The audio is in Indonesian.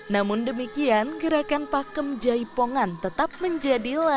namun demikian gerakan pakem jaipongan tetap menjadi landasan